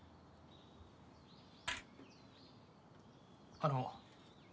あの。